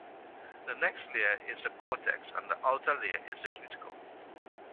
The next layer is the cortex and the outer layer is the cuticle.